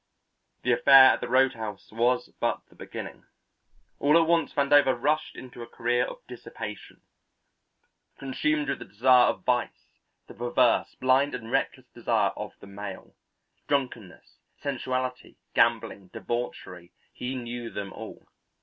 The affair at the roadhouse was but the beginning. All at once Vandover rushed into a career of dissipation, consumed with the desire of vice, the perverse, blind, and reckless desire of the male. Drunkenness, sensuality, gambling, debauchery, he knew them all.